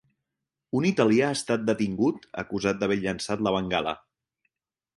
Un italià ha estat detingut, acusat d’haver llançat la bengala.